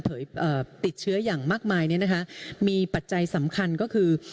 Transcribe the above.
ติดเชื้ออย่างมากมายเนี่ยนะคะมีปัจจัยสำคัญก็คือ